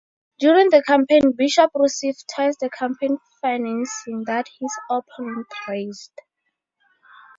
During the campaign, Bishop received twice the campaign financing that his opponent raised.